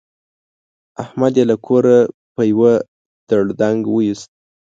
احمد يې له کوره په يوه دړدنګ ویوست.